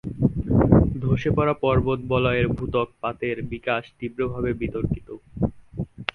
ধসে পড়া পর্বত বলয়ের ভূত্বক পাতের বিকাশ তীব্রভাবে বিতর্কিত।